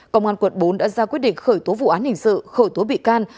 công an quận bốn đã ra quyết định khởi tố vụ án hình sự khởi tố bị can